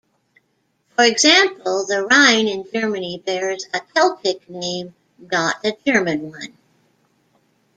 For example, the Rhine in Germany bears a Celtic name, not a German name.